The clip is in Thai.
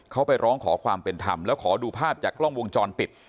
เขาไปร้องขอความเป็นธรรมแล้วขอดูภาพจากกล้องวงจรปิด